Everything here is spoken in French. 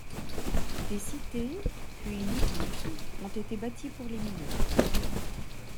Des cités, puis une église ont été bâtis pour les mineurs.